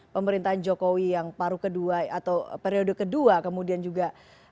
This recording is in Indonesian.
pemerintahan jokowi yang paruh kedua atau periode kedua kemudian juga